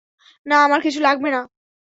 না, আমার কিছু লাগবে না।